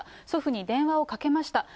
祖父に電話をかけました。